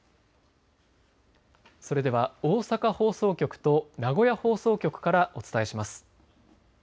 それでは大阪放送局と名古屋放送局からお伝えします。